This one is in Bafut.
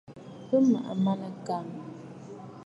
Bɨ maʼa manɨkàŋə̀.